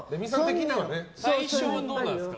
最終はどうなんですか？